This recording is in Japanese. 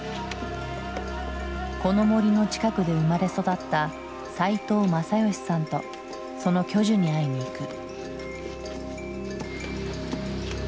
この森の近くで生まれ育った齋藤政美さんとその巨樹に会いに行く。